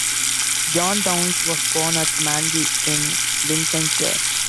John Downes was born at Manby in Lincolnshire.